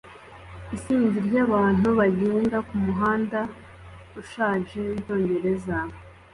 Isinzi ryabantu bagenda kumuhanda ushaje wicyongereza